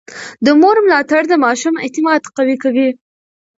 د مور ملاتړ د ماشوم اعتماد قوي کوي.